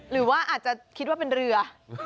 หรือว่าอาจจะคิดว่าเป็นเรือ